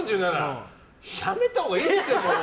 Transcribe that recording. やめたほうがいいですよ。